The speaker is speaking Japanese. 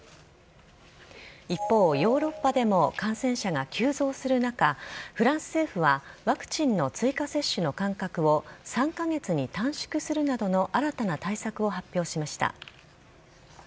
一方、ヨーロッパでも感染者が急増する中、フランス政府は、ワクチンの追加接種の間隔を３か月に短縮するなどの新たな対策を発表しました。